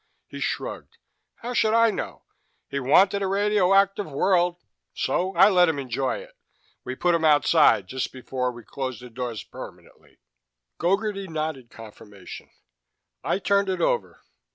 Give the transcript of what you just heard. He shrugged. "How should I know? He wanted a radioactive world, so I let him enjoy it. We put him outside just before we closed the doors permanently." Gogarty nodded confirmation. I turned it over.